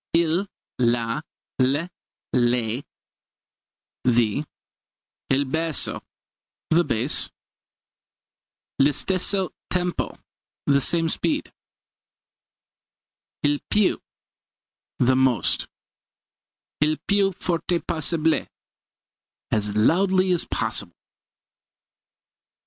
Il, La, l', le the. Il basso the bass. L'istesso tempo the same speed. Il più the most. Il più forte possible as loudly as possible.